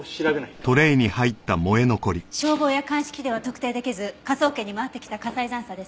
消防や鑑識では特定できず科捜研に回ってきた火災残渣です。